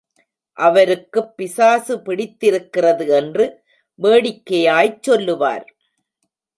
அவருக்குப் பிசாசு பிடித்திருக்கிறது என்று வேடிக்கையாய்ச் சொல்லுவார்.